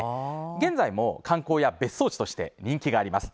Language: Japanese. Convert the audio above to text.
現在も、観光や別荘地として人気があります。